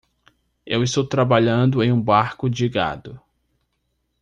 Eu estou trabalhando em um barco de gado.